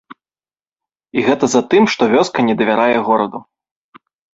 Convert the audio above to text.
І гэта затым, што вёска не давярае гораду.